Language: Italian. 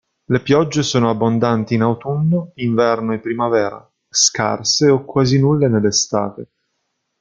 Le piogge sono abbondanti in autunno, inverno e primavera; scarse o quasi nulle nell'estate.